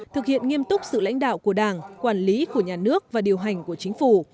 thực hiện nghiêm túc sự lãnh đạo của đảng quản lý của nhà nước và điều hành của chính phủ